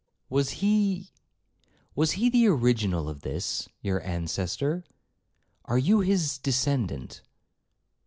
'Was he—was the original of this—your ancestor?—Are you his descendant?